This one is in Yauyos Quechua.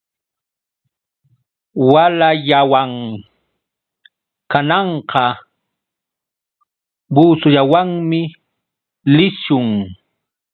Walallawan kananqa busullawanmi lishun.